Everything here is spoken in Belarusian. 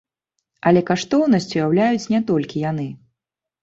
Але каштоўнасць уяўляюць не толькі яны.